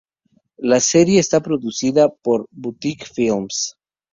La serie, está producida por Boutique Filmes.